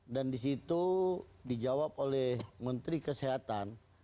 dan disitu dijawab oleh menteri kesehatan